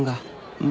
うん。